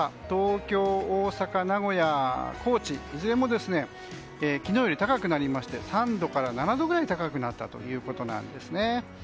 東京、大阪、名古屋、高知いずれも昨日より高くなりまして３度から７度くらい高くなったということです。